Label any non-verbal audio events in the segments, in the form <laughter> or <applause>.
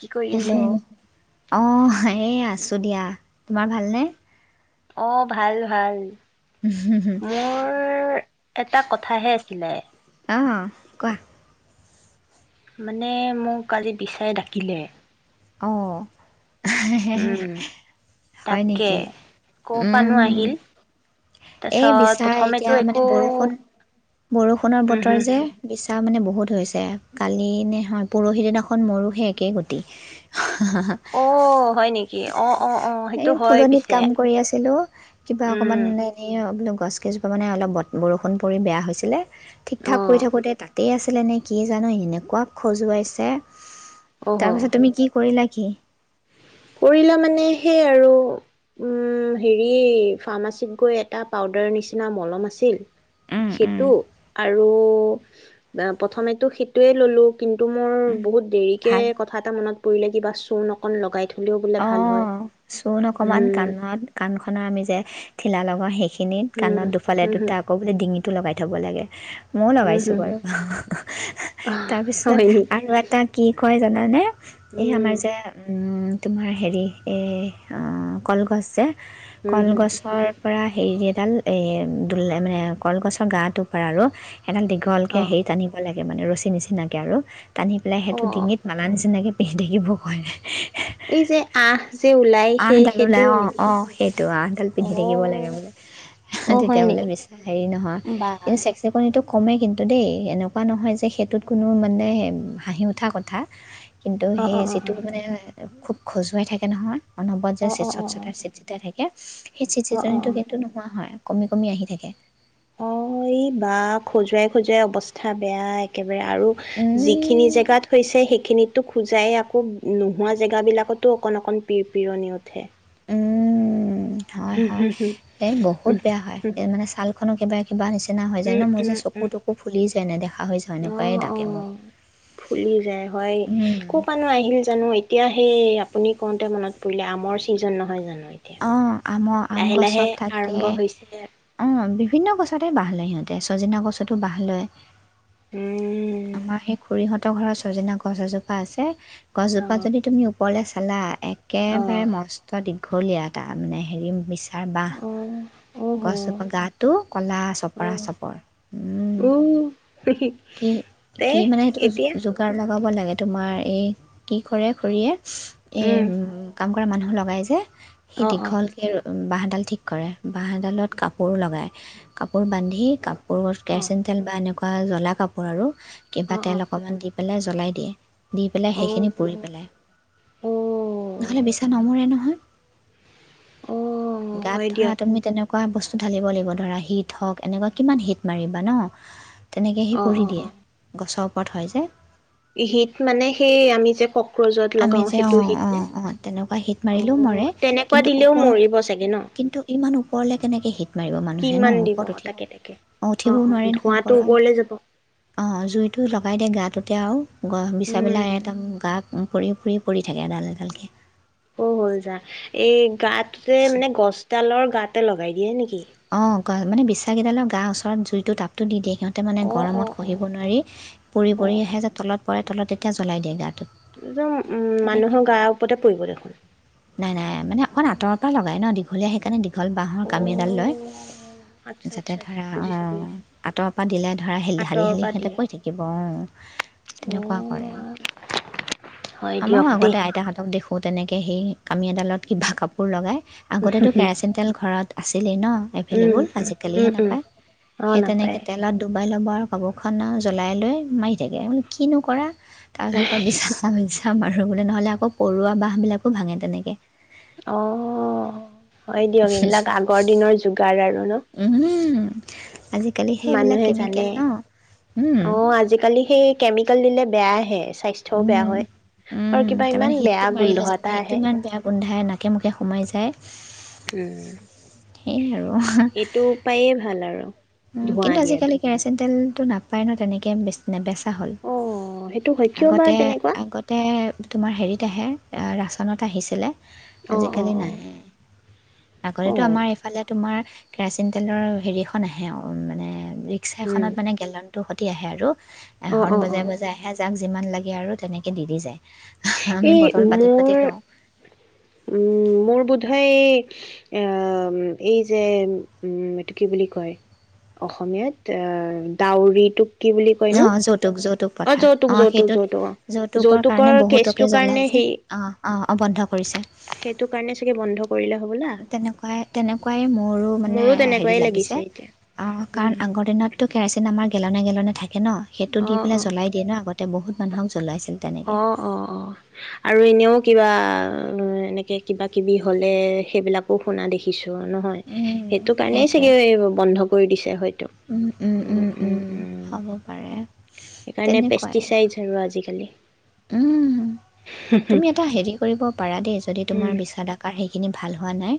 কি কৰি হেল্ল', আছে? অহ। এই, আছোঁ। ত ', দিয়া, তোমাৰ ভালনে? অ', ভাল- ভাল। মোৰ এটা কথাহে আছিলে অ', কোৱা, মানে, মোক কালি বিচায়ে ডাকিলে। অ'। উম, তাকে। ক'ৰ পৰানো আহিল? <unintelligible> এই তাৰপিছত বিচা, এতিয়া প্ৰথমেতো মানে একো বৰষুণ, বৰষুণৰ উম, বতৰ হুম, যে, হুম। বিচা মানে, বহুত হৈছে। কালি নহয়, পৰহি দিনাখন মোৰো হে একেই গতি অ', হয় নেকি? অ', -অ', - অ'। এই সেইটো হয় ফুলনিত পিছে। কাম উম', এই ৰ', বোলো, গছকেইজোপা মানে অলপ বৰষুণ পৰি বেয়া হৈছিলে ঠিক-ঠাক কৰি অ', থাকোঁতে, তাতে আছে আছিলে নে কিয়ে জানো, এনেকুৱা খজুৱাইছে অহ। তাৰপিছত তুমি কি কৰিলা? কি? কৰিলা মানে সেই আৰু উম হেৰি ফাৰ্মাচীত গৈ এটা পাউদাৰ নিচিনা মলম আছিল উম, উম, সেইটো আৰু প্ৰথমেতো সেইটোৱে ল'লো। কিন্তু মোৰ উম। বহুত দেৰিকে ভাল কথা এটা মনত পৰিলে। কিবা চূণ অকন লগাই থলেও বোলে ভাল হয় অ', চূণ অকমান উম কাণত কাণ খনৰ আমি যে ঠিলা লগা অ, সেইখ খিনিত উম কাণত দুফালে হম হম দুটা, আকৌ বোলে ডিঙিত টো লগাই থ'ব লাগে। মইয়ো উম লগাইছো হম বাৰু, হম অ তাৰপিছত হয় নেকি আৰু এটা কি কয় জানানে? এই উম আমাৰ যে, উম তোমাৰ হেৰি এই কলগছ যে হম হম কলগছৰ পৰা হেৰি এডাল এই ডোল, মানে কলগছৰ গাটো পৰা আৰু এডাল দীঘলকে অ হেৰি টনিব লাগে। মানে ৰছী নিচিনাকে আৰু টানি পেলাই অ সেইটো ডিঙিত মালা নিচিনাকে <unintelligible> এই যে আহ যে ওলাই সেই আহডাল সেইটো ওলাই অ, নেকি অ, সেইটো আহডাল অ পিন্ধি থাকিব লাগে বোলে, অ হয় তেতিয়া বোলে নেকি বিছা হেৰি নহয় বা কিন্তু চেকচেকনিটো কমে কিন্তু দেই, এনেকুৱা নহয় যে সেইটোত কোনো মানে হাঁহি উঠা কথা। কিন্তু অ সেই অ অ অ জেতুকা বনেও আহে। <unintelligible> খুব খজুৱাই থাকে নহয়। অনবৰত যে অ চে, অ অ চতচতাই, চিতচিতাই থাকে সেই অ অ চিতচিতনিটো অ কিন্তু নোহোৱা হয়। কমি কমি আহি থাকে অ'এই বা খজুৱাই খজুৱাই অৱস্থা বেয়া একে বাৰে আৰু যিখিনি উম, জেগাত হৈছে সেইখিনিত টো খোজাইয়ে আকৌ নোহোৱা জেগাবিলাকতো অকণ অকণ পিৰপিৰণি উঠে। উম, হয় হুম হয়, হুম হুম এই উম, বহুত বেয়া হয়, হুম এ মানে ছালখনো কিবা কিবা নিছে উম, উম, উম, নেদেখা হৈ যাওঁ অহ এনেকুৱাই অ ডাকে মোক ফুলি যায় হয়, কপানো আহিল জানো, এতিয়া সেই আপুনি কওঁতে মনত পৰিলে আমৰ ছিজন নহয় জানো? এতিয়া। অ আমৰ আম লাহে লাহে গছত থাকে আৰম্ভ হৈছে অ বিহ বিভিন্ন গছতে বাঁহ লয় সিহঁতে ছজিনা গছতো বাঁহ লয় উম, আমাৰ সেই খুৰীহঁতৰ ঘৰ ছজিনা গছ এজোপা আছে গছ জোপাত অ', যদি তুমি ওপৰলে চালা এক একেবাই অ', মস্ত দিন দীঘলীয়া এটা মানে হেৰি মি তাৰ অ', অহ, বাঁহ গছজোপা গাটো ক'লা চপৰা অ', চপৰ উম। কি তে কি মানে সেইটো এতিয়া যোগাৰ লাগে লগাব লাগে তোমাৰ এই কি কৰে খুৰীয়ে এ উম কাম কৰা মানুহ লগাই যে সেই অ অ দীঘলকে বাঁহডাল ঠিক কৰে বাঁহডালত কাপোৰ লগায় কাপোৰ বান্ধি কাপ ক অ কেৰচিন তেল বা এনেকুৱা জ্বলা কাপোৰ আৰু অ কিবা তেল অকমান দি পেলাই জ্বলাই দিয়ে দি পেলাই অ অ সেইখিনি পুৰি পেলাই। অ নহ'লে বিছা নমৰে নহয় অ গাত হয় ধৰা দিয়ক তুমি তেনেকুৱা এনেকুৱা বস্তু ঢালিব লাগিব ধৰা হিট হওক এনেকুৱা কিমান হিট মাৰিবা ন তেনেকে অ অ পৰি দিয়ে গছক ওপৰত হয় যে হিত মানে সেই আমি যে ক আমি যে অ অ অ তেনেকুৱা হিট অ মাৰিলেও মৰে তেনেকুৱা কিন্তু দিলেও ওপৰত মৰিব চাগে ন কিন্তু ইমান ওপৰলে কেনেকে হিট মাৰিব মানুহে ন কিমান দিব ওপৰত উঠিব তাকে তাকে অ উঠিবও নোৱাৰে নহয় ধোঁৱাটো ওপৰত ওপৰলে যাব অ জুইটো লগাই দিয়ে গাটোতে আৰু বিচা পেলাই উম এটা গাত পৰি পৰি পৰি থাকে এডাল এডালকৈ অ হ যা এই গাতে মানে গছডালৰ গাতে লগাই দিয়ে নেকি অ মানে বিশ্বাসকেইডালৰ গা ওচৰত জুইটো তাপটো দি দিয়ে সিহঁতে মানে অ অ গৰমত অ খহিব নোৱাৰি পৰি - অ পৰি আহে যে তলত। পৰে তল এতি জ্বলাই দিয়ে গাঁ। জন উম', মানুহৰ গাৰ ওপৰতে পৰিব দেখোন। নাই - নাই মানে অকণ আঁতৰ পৰা লগাই ন দীঘলীয়া সেইকাৰণে। দীঘল বাঁহৰ অ', কামি এদাল লৈ আচ্ছা যাতে আচ্ছা আচ্ছা ধৰা বুজিছো বুজিছো আতৰ পৰা দিলে ধৰা ধালি-ধালি আঁতৰৰ পৰা সিহঁতে দিয়ে। কৰি থাকিব অ' তেনেকোৱা কৰে অ', হয় আমাৰো দিয়ক দেই। আগতে আইতা হতক দেখো তেনেকে। কেই কামি এডালত কিবা কাপোৰ লগায়, আগতেতো উম, কেৰাচিন তেল ঘৰত আছিলেই ন উম, এভেইলেবল আজিকালি উম, হে উম, নাপাই অ', সেই তেনেকে নাপায় তেলত ডুবাই ম'বাইলৰব কাপোৰখন জ্বলাই লৈ মাৰি থাকে কিনোকৰা তাৰপিছত <unintelligible> ধুবলৈ নহ'লে আকৌ পৰুৱা বহবিলাকো ভাঙে তেনেকে আহহহহহহ হয় দিয়ক এইবিলাক আগৰ দিনৰ যোগাৰ আৰু ন হমমমমম আজিকালি সেইবিলাক মানুহে জানে। কেমিকেল ন হম <unintelligible> বেয়াহে স্বাস্থ্যও বেয়া হয়। আৰু উম কিবা ইমান তাৰমানে বেয়া সিতটো গোন্ধ মাৰিলে এটা যেনেবা আহে সিতটো ইমান বেয়া গোন্ধাই নাক একেমোকে সোমাই যায় উম সেয়ে আৰু এইটো উপায়ে ভাল আৰু উ ধোঁৱা কিন্তু দিয়াটো আজিকালি কেৰাচিন তেল নাপাই ন তেনেকে বে নেবেচে হ'ল, অ', সেইটো হয় কিয় বা আগতে, তেনেকুৱা আগতে তোমাৰ হেৰিত আহে আ, ৰা মানত আহিছিলে অ', অ', আজিকালি অ', নাহে আগতেতো অ', আমাৰ এইফালে তোমাৰ কেৰাচিন তেলৰ হেৰিখন আহে সে আৰু মানে ৰিক্সা উম। এখনত মানে গেল সিহটো আহে আৰু অ অ এখনন অ বজাই বজাইহে যাক যিমান লাগে আৰু তেনেকৈ দি দি যায়। আমি এই বটল পাতি পাতি মোৰ লওঁ উম মোৰ বোধয় এই এ এই যে উম এইটো কি বুলি কয় অসমীয়াত এ ডাউৰিটোক কি বুলি কয় অ নো যৌতুক যৌতুক অ যৌতুক অহ, যৌতুক সেইটোত যৌতুক অ যৌতুকৰ কাৰণে কেচটোৰ বহুতোকে কাৰণে জ্বলাই যে, সেই অহ, অহ বন্ধ কৰিছে। সেইটো কাৰণে চাগে বন্ধ কৰিলে হ'বলা তেনেকুৱাই তেনেকুৱাই মোৰো মানে হেৰি লাগিছে অ', উম কাৰণ হুম আগৰ দিনতো কেৰাচিন আমাৰ <unintelligible> থাক থাকে ন সেইটো অ দি অ পেলাই জ্বলাই দিয়ে ন? আগতে বহুত <unintelligible> তেনেকৈ অ', অ', অ', আৰু এনেও কিবা এনেকে কিবা কিবি হ'লে, সেইবিলাকো শুনা দেখিছো নহয় সেইটো কাৰণেই সেইটোৱে চাগে বন্ধ কৰি দিছে হয়। উম, উম, উম, সেইকাৰণে পেষ্টিচাইডছ আৰু আজিকালি। উম, তুমি এটা হেৰি কৰিব পাৰা দেই যদি তোমাৰ উম বিচাদাকাৰ শে সেইখিনি ভাল হোৱা নাই।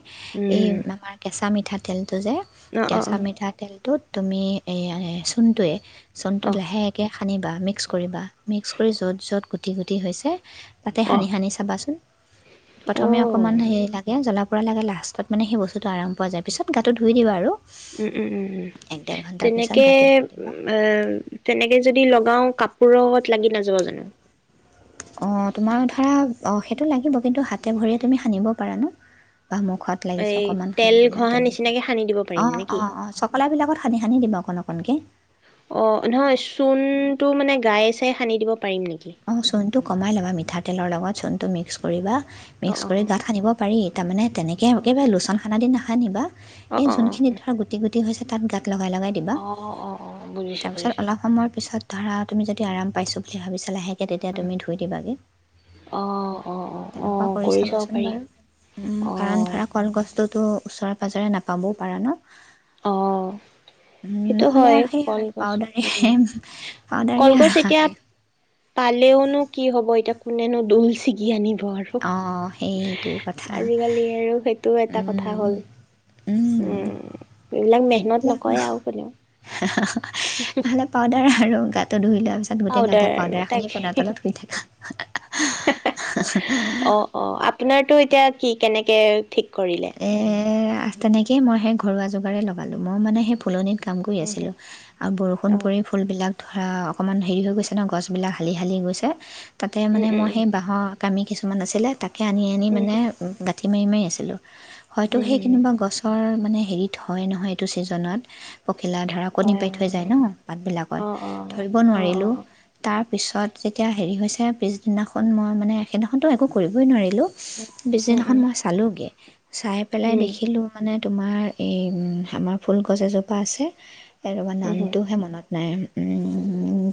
এ উম আমাৰ কেচাঁ মি ঠাতেল। টো যে অ অ কেঁচা মিঠা তেলটোত তুমি এয়া চোনটোৱে চনটো অ লাহেকে সানিবা মিক্স কৰিবা মিক্স কৰি য'ত য'ত গুটি গুটি হৈছে। তাতে অ অ সানি সানি চাবাচোন অ প্ৰথমে অকমান হেৰি লাগে জল লে লাষ্টত মানে সেই বস্তুটো আমোৱা যায় পিছত গাটো ধুই দিবা আৰু। উম, উম, উম, উম, এক ডেৰ ঘণ্টাৰ পিছত তেনেকে গাটো ধুই দিবা তেনেকে যদি লগাও কাপ পৰহত অ' তোমাৰ ধৰা অ' সেইটো লাগিব কিন্তু হাতে ভৰিয়ে তুমি সানিব পাৰা ন বা মুখত লাগিছে এই অকণমান তেল সানিবিল ঘঁহা তেনেকৈ নিচিনাকে সানি দিব অ পাৰিম নেকি অ অ চকলাবিলাকত সানি সানি দিম অকণ অকণকৈ গায় চাই সানি দিব পাৰিম নেকি টো কমাই ল'বা মিঠাতেলৰ লগত চণটো মিক্স কৰিবা অ মিক্স কৰি গাত সানিব পাৰি তাৰ মানে তেনেকে অ একেবাৰে লোচন খানা দিনা হ নি বা অ অ এই অ যোনখিনি ধৰা গোটি গট হৈছে তাত গাত লগাই লগাই দিবা অ অ অ অ বুজিছো তাৰপিছত বুজিছো অলপ সময়ৰ পিছত ধৰা তুমি যদি আৰাম পাইছো বুলি ভাবি চা এতিয়া তেতিয়া তুমি ধুই দিবাগে অ অ অ অ তেনেকুৱা কৰি চাব চাবাচোন পাৰি বাৰু অ কাৰণ ধৰা কলগছটোত তো ওচৰে পাঁজৰে নাপাবও পাৰা ন অ উম সেইটো নহ'লে হয় আৰু সেইয় আৰু কলগছ উম পাউদাৰ পাউদাৰ আৰু কলগছ এতিয়া সেই পালেওনো কি হব এতিয়া কোনেনো দোল ছিগি আনিব আৰু অঁ সেইটোৱে কথা আজিকালি আৰু সেইটো এটা কথা হ'ল উম এইবিলাক মেহনত সেইবিলাক নকৰে আৰু কোনেও নহ'লে পাউদাৰ আৰু গাটো ধুই লোৱাৰ পিছত গোটেই পাউদাৰ গাতে আৰু পাউদাৰখিনি তাকে পেনৰ তলত শুই থাকে স অ অ আ আপোনাৰতো এতিয়া কি কেনেকে ঠিক কৰিলে তেনেকেইে মই সেই ঘৰুৱা যোগাৰ লগালোঁ মই মানে সেই ফুলনিক কাম কৰি উম হু আছিলোঁ আৰু বৰষুণ অ পৰি ফুলবিলাক ধৰা অকণমান হেৰি হৈ গৈছে ন গছবিলাক হালি হালি গৈছে তাতে উম মানে মই সেই উম বাঁহত কামি কিছুমান আছিলে তাত তাকে আনি আনি মানে গ ইতিমাৰিমেই আছিলোঁ হয়তো উম উম সেই উম কেনোবা গছৰ মানে হেৰিত হয় নহয় এইটো ছিজনত পখিলা ধৰা অ অ কণী পাই থৈ যায় ন পাতবিলাকত অ ধৰিব অ অ নোৱাৰিলো অ তাৰপিছত যেতিয়া হ য়া পিছদিনাখন মই মানে এ সেইনাখনতো একো কৰিবই উম নোৱাৰি দিনাখন উম মই চালোঁগৈ চাই পেলাই উম দেখিলো মানে তোমাৰ এই আমাৰ ফুলগছ এজোপা আছে আৰু ম উম নামটোহে মনত নাই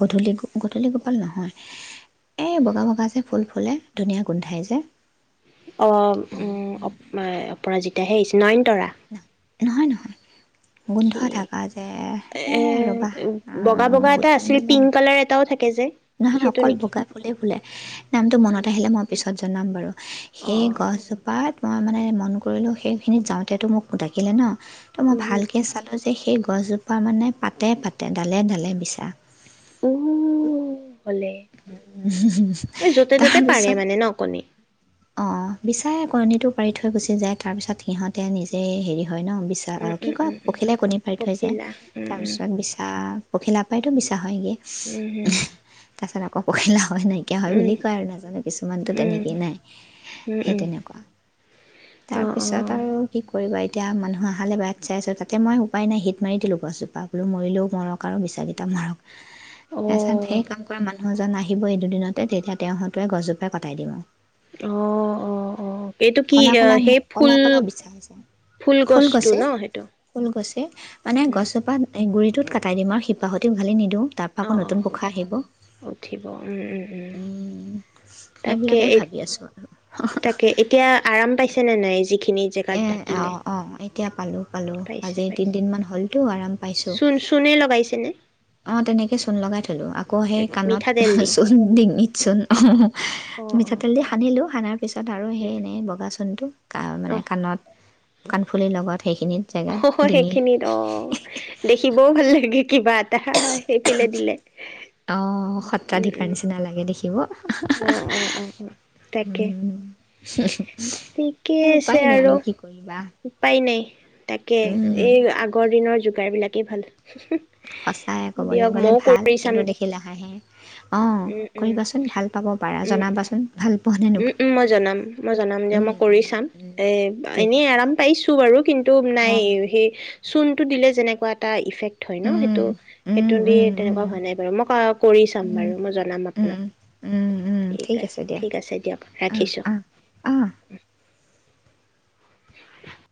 গধূলি গধূলি গোপাল নহয় এই বগা বগা যে ফুল ফুলে ধুনীয়া গোন্ধাই যোয় অ উম ম পৰাজিতাহে কিছুমান তৰা। নহয়, নহয়। গোন্ধ থকা যে এ ৰ'বা বগা বগা এটা গুটি আছিল মেলা পিংক নহয়, কালাৰ এটাও থাকে যে নহয় সেইটো অকল নেকি? বগাই ফুল ফুলে নামটো মনত আহিলে মই পিছত জনাম বাৰু অ অ সেই গছজোপাত মই মানে মন কৰিলোঁ সেইখিনিত যাওঁতেতো মোক ডাকিলে ন'। ত' মই উহু ভালকে চালো যে সেই গছজোপা মানে পাতে পাতে ডালে ডালে বিছা। অ'। লে এই য'তে ত'তে পাৰে মানে ন' কণী? অ', বিচাৰে কণীটো পাৰি থৈ গুচি যায় তাৰ পিছত সিহঁতে নিজে হেৰি হয় ন' বিছা উম কি উম কয় উম উম পখিলাই কণী পাৰি থৈ যায় পখিলা উম উম তাৰপিছত বিছা পখিলা পাইটো বিছা হয়গৈ উম তাৰপছত কোকক কহিলা হয় নাইকিয়া হয় হম বুলি কয় আৰু নাজানো কিছুমানতো উম তেনেকেই নাই। উম উম সেই উম তেনেকুৱা অ তাৰ অ পিছত আৰু কি ক' কৰিবা এতিয়া মানুহ আহালে বাট চাই আছো তাতে মই উপায় নাই হিট মাৰি দিলোঁ গছজোপা বোলো মৰিলোও মলক আৰু বিচাকেইটা মাৰক। অ তাৰ পিছত সেই কাম কৰা মানুহ এজন আহ আহিব এই দুদিনতে তেতিয়া তেওঁ সতোৱে গছজোপাই কটাই দিব। অ অ অ এইটো কি কলা, কলা, সেই ফুল কলা, কলা বিচাৰিছে ফুল গছটো গছে ন সেইটো ফুল গছে মানে উম গছজোপা এই গুডৰিটোত কটাই দিম আৰু শিপাহ সতেওালি নিদিওঁ। তাৰপৰা অ আকৌ অ নতুন অ পোখা আহিব উম, উঠিব উম উম উম তাকে সেইবিলাকেই এই ভাবি আছোঁ আৰু। তাকে এতিয়া আৰাম পাই ছে নে নাই জি খিনি জেগাত ডাকিলে তেতিয়া পালোঁ। পালো আজি তিনিদিন মান হ'লটো আৰাম পাইছো। চূণ চূণে লগাইছেনে অ', তেনেকৈ চূণ লগাই থলোঁ আকৌ সেই কাণত মিঠাতেল দি চূণ ডিঙিত চূণ অ', অ অ মিঠাতেল দি সানিলো সানাৰ পিছত আৰু সেই এনেই বগা চূণটো অ', মানে কাণত কাণফুলিৰ লগত সেইখিনিত জেগাত অ', ডিঙিত সেইখিনিত অ', দেখিবও ভাল লাগে কিবা এটা সেইফিলে দিলে অঁ উম, সত্ৰাধিকাৰ উম। নিচিনা লাগে দেখিব অ', অ', অ', অ তাকে উম, ঠিকেই এই আছে উপায় নাই আৰু। কি কৰিবা উপায় নাই। তাকে উম, এই আগৰ দিনৰ যোগাৰবিলাক ভাল। সঁচাই ক'বলৈ দিয়ক গ'লে মইও ভাল, কৰি চাম কিন্তু দেখিলে হাঁহে। অ', উম উম কৰিবাচোন ভাল পাব পাৰা উম জনাবাচোন ভাল পোৱা নে উম, নোপোৱা উম মই জনাম মই জনাম যে উম, মই কৰি উম, চাম উম, এ ঠিক এনেই আছে আৰাম পাইছো বাৰু কিন্তু নাই সেই চূণটো দিলে যেনেকুৱা এটা ইফেক্ট হয় ন সেইটো সেইটো দি তেনেকুৱা অঁ হোৱা নাই বাৰু মই কৰি চাম বাৰু উম, মই জনাম উম, আপোনাক উম, উম, ঠিক আছে দিয়া। ঠিক আছে ৰাখিছোঁ <unintelligible> <unintelligible>